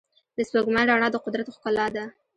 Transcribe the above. د سپوږمۍ رڼا د قدرت ښکلا ده.